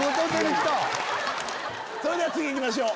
それでは次いきましょう。